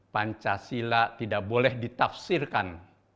pancasila tidak boleh ditafsirkan